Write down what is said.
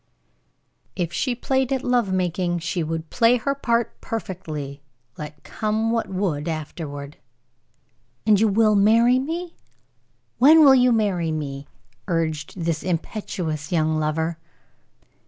If she played at love making, she would play her part perfectly, let come what would afterward. "And you will marry me? When will you marry me?" urged this impetuous young lover.